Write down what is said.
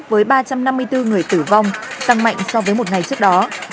với ba trăm năm mươi bốn người tử vong tăng mạnh so với một ngày trước đó